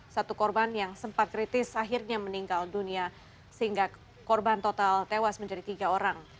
satu korban yang sempat kritis akhirnya meninggal dunia sehingga korban total tewas menjadi tiga orang